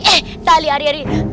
eh tali ari ari